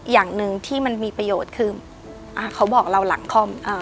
อย่างหนึ่งที่มันมีประโยชน์คือเขาบอกเราหลังคล่อม